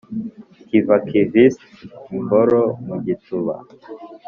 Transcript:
kiva kivitse: imboro mu gituba